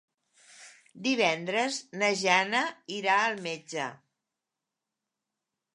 Divendres na Jana irà al metge.